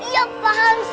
ya paham sip